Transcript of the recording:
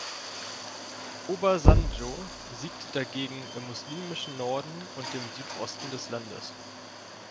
Obasanjo siegte dagegen im muslimischen Norden und dem Südosten des Landes.